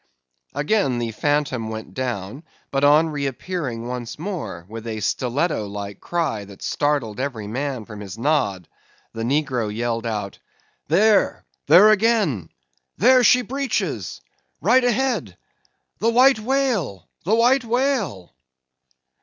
Again the phantom went down, but on re appearing once more, with a stiletto like cry that startled every man from his nod, the negro yelled out—"There! there again! there she breaches! right ahead! The White Whale, the White Whale!"